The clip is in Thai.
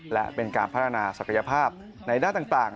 และเป็นการพัฒนาศักยภาพในด้านต่าง